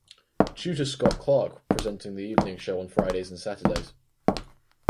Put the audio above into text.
Due to Scott Clarke presenting the Evening Show on Fridays and Saturdays.